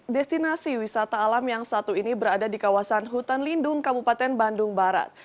destinasi wisata alam yang satu ini berada di kawasan hutan lindung kabupaten bandung barat